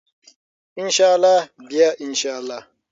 ان شاء الله بیا ان شاء الله.